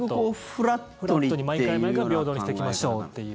フラットに毎回毎回平等にしていきましょうという。